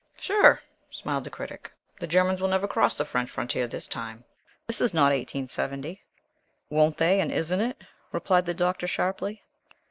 "Sure," smiled the Critic. "The Germans will never cross the French frontier this time. This is not 1870." "Won't they, and isn't it?" replied the Doctor sharply.